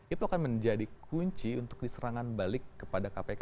itu akan menjadi kunci untuk diserangan balik kepada kpk